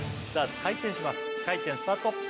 回転スタート